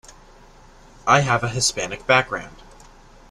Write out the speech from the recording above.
I have a Hispanic background